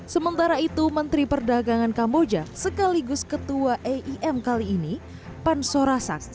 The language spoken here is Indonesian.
sementara itu menteri perdagangan kamboja sekaligus ketua eim kali ini pan sorasak